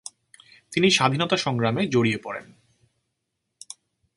তিনি স্বাধীনতা সংগ্রামে জড়িয়ে পড়েন।